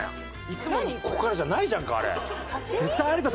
いつもここからじゃないじゃんかあれ。